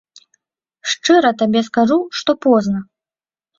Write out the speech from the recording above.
Шчыра табе скажу, што позна!